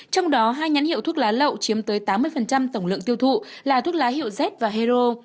trong đó hai nhãn hiệu thuốc lá lậu chiếm tới tám mươi tổng lượng tiêu thụ là thuốc lá hiệu z và hero